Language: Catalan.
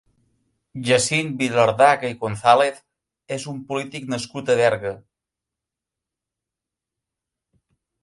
Jacint Vilardaga i González és un polític nascut a Berga.